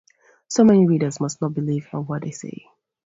So my readers must not believe a word I say.